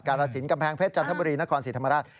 รสินกำแพงเพชรจันทบุรีนครศรีธรรมราช